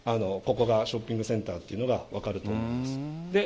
ここがショッピングセンターっていうのが分かると思います。